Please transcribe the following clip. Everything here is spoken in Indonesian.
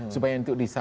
supaya itu disahkan